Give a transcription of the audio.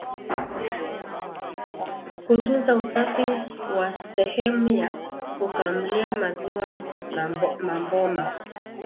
Kutunza usafi wa sehemu ya kukamulia maziwa na maboma